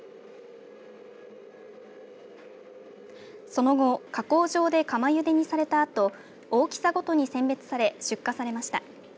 その後、加工場で釜ゆでにされたあと大きさごとに選別され出荷されました。